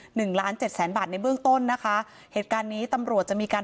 หนึ่งล้านเจ็ดแสนบาทในเบื้องต้นนะคะเหตุการณ์นี้ตำรวจจะมีการ